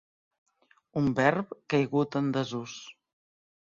Un verb caigut en desús.